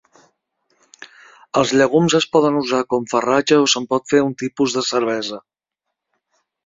Els llegums es poden usar com farratge o se'n pot fer un tipus de cervesa.